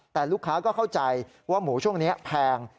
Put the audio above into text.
แต่ลูกค้าก็เข้าใจว่าหมูช่วงนี้แพง